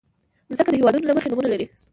مځکه د هېوادونو له مخې نومونه لري.